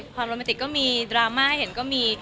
พอโรแมนติกก็มีดราม่าให้เห็นก็มี